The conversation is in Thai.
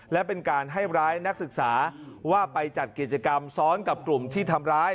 และเป็นการให้ร้ายนักศึกษาว่าไปจัดกิจกรรมซ้อนกับกลุ่มที่ทำร้าย